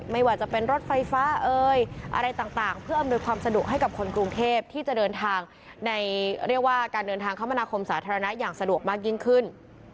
ไม่ว่าจะเป็นรถไฟฟ้าเอ่ยอะไรต่างเพื่ออำนวยความสะดวกให้กับคนกรุงเทพที่จะเดินทางในเรียกว่าการเดินทางคมนาคมสาธารณะอย่างสะดวกมากยิ่งขึ้น